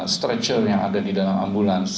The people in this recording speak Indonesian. stretcher yang ada di dalam ambulans